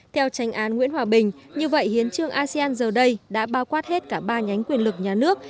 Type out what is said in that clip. theo tranh án nguyễn hòa bình như vậy hiến trương asean giờ đây đã bao quát hết cả ba nhánh quyền lực nhà nước